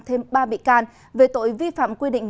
thêm ba bị can về tội vi phạm quy định